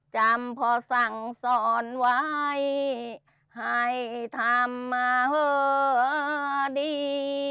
จำพอสั่งสอนไว้ให้ทำมาเหอดี